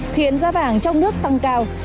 khiến giá vàng trong nước tăng cao